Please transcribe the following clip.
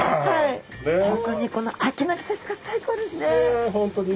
特にこの秋の季節が最高ですね。